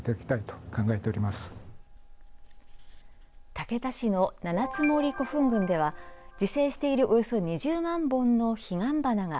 竹田市の七ツ森古墳群では自生しているおよそ２０万本の彼岸花が